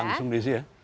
langsung diisi ya